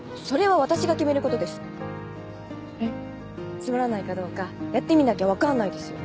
つまらないかどうかやってみなきゃ分かんないですよ。